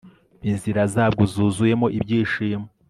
inzira zabwo zuzuyemo ibyishimo